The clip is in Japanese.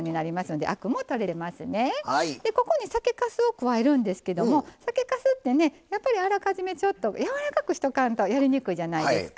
でここに酒かすを加えるんですけども酒かすってねやっぱりあらかじめやわらかくしとかんとやりにくいじゃないですか。